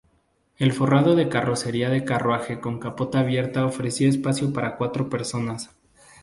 El formato de carrocería de carruaje con capota abierta ofrecía espacio para cuatro personas.